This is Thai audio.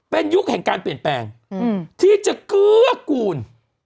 เป็นยุคแห่งการเปลี่ยนแปลงที่จะเกื้อกูล